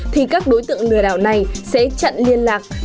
thì các đối tượng lừa đảo này sẽ chặn liên lạc